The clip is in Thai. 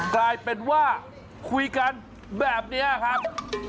กลายเป็นว่าคุยกันแบบนี้ครับ